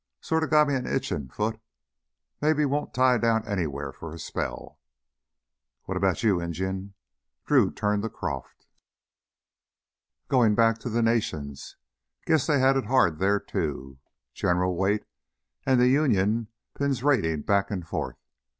Sorta got me an itchin' foot. Maybe won't tie down anywheah for a spell." "What about you, Injun?" Drew turned to Croff. "Goin' back to the Nations. Guess they had it hard there too, General Watie and the Union 'Pins' raidin' back and forth.